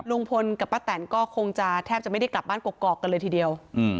ลุงพลกับป้าแตนก็คงจะแทบจะไม่ได้กลับบ้านกอกกันเลยทีเดียว